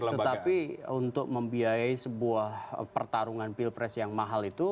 tetapi untuk membiayai sebuah pertarungan pilpres yang mahal itu